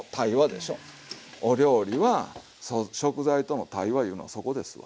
お料理は食材との対話いうのはそこですわ。